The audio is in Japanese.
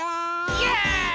イェーイ！